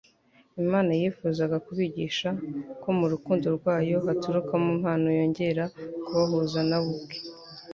Imana yifuzaga kubigisha ko mu rukundo rwayo haturuka impano yongera kubahuza na We ubwe